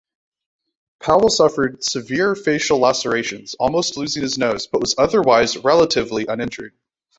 Powell suffered severe facial lacerations, almost losing his nose, but was otherwise relatively uninjured.